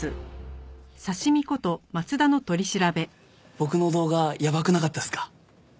僕の動画やばくなかったっすか？